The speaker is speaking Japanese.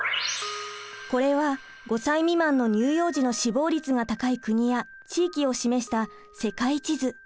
これは５歳未満の乳幼児の死亡率が高い国や地域を示した世界地図。